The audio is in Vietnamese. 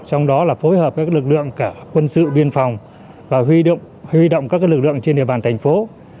trong đó là phối hợp các lực lượng cả quân sự biên phòng và huy động các lực lượng trên địa bàn thành phố